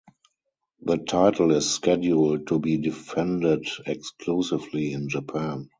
The title is scheduled to be defended exclusively in Japan.